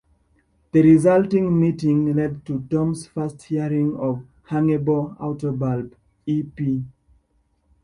The resulting meeting led to Tom's first hearing of the "Hangable Auto Bulb" e.p.